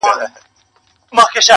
زه به همدغه سي شعرونه ليكم.